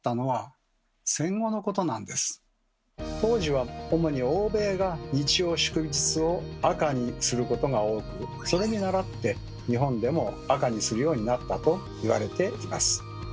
当時は主に欧米が日曜・祝日を赤にすることが多くそれにならって日本でも赤にするようになったといわれています。